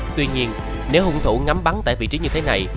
tuy nhiên nếu hung thủ ngắm bắn tại vị trí như thế này